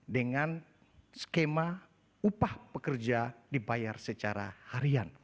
dengan skema upah pekerja dibayar secara harian